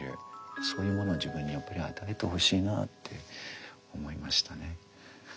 そういうものを自分にやっぱり与えてほしいなって思いましたね。